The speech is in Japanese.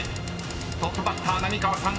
［トップバッター浪川さん